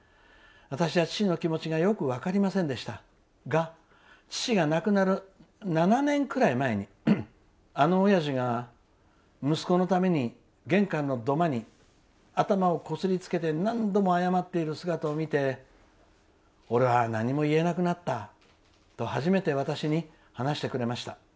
私は父の気持ちがよく分かりませんでしたが父が亡くなる７年くらい前にあのおやじが息子のために玄関の土間に頭をこすりつけて何度も謝っている姿を見て俺は何も言えなくなったと初めて私に話してくれました。